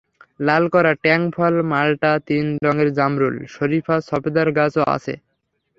লাল কলা, ট্যাং ফল, মাল্টা, তিন রঙের জামরুল, শরিফা, সফেদার গাছও আছে।